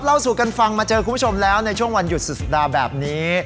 เล่าสู่กันฟังมาเจอคุณผู้ชมแล้วในช่วงวันหยุดศึกษาแบบนี้